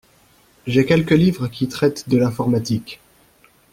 J’ai quelques livres qui traitent de l’informatique.